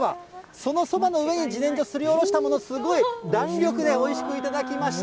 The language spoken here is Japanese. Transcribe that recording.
そのそばの上にじねんじょすりおろしたもの、すごい弾力で、おいしく頂きました。